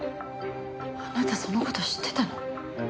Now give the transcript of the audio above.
あなたその事知ってたの？